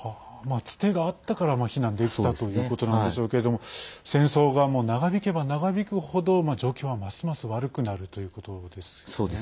つてがあったから避難できたということなんでしょうけれども戦争が長引けば長引く程状況はますます悪くなるということですね。